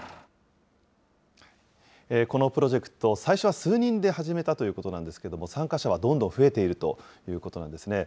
このプロジェクト、最初は数人で始めたということなんですけれども、参加者はどんどん増えているということなんですね。